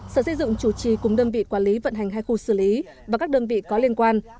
sở xây dựng chủ trì cùng đơn vị quản lý vận hành hai khu xử lý và các đơn vị có liên quan